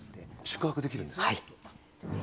宿泊できるんですか？